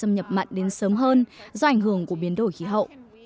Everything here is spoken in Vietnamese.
hạng hán và xâm nhập mặn đến sớm hơn do ảnh hưởng của biến đổi khí hậu